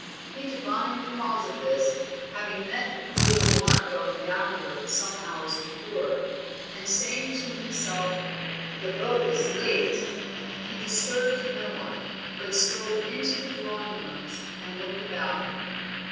He divined the cause of this, having met Prue and Mark going downward some hours before, and saying to himself, "The boat is late," he disturbed no one, but strolled into the drawing rooms and looked about him.